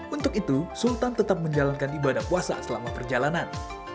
untuk itu sultan tetap menjalankan ibadah puasa selama perjalanan